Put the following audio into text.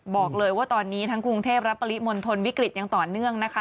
บอกเลยว่าตอนนี้ทั้งกรุงเทพและปริมณฑลวิกฤตยังต่อเนื่องนะคะ